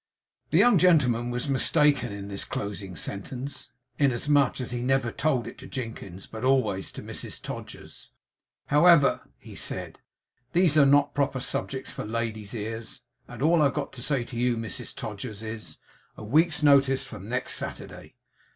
The young gentleman was mistaken in this closing sentence, inasmuch as he never told it to Jinkins, but always to Mrs Todgers. 'However,' he said, 'these are not proper subjects for ladies' ears. All I've got to say to you, Mrs Todgers, is, a week's notice from next Saturday.